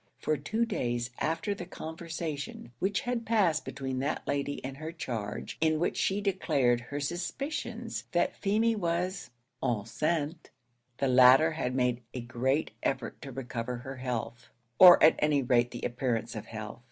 For two days after the conversation which had passed between that lady and her charge, in which she declared her suspicions that Feemy was enceinte, the latter had made a great effort to recover her health, or at any rate the appearance of health.